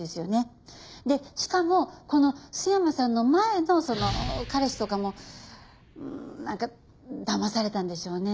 でしかもこの須山さんの前のその彼氏とかもうーんなんかだまされたんでしょうね。